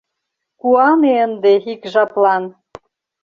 Куане ынде ик жаплан!